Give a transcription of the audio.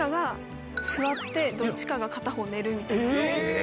え！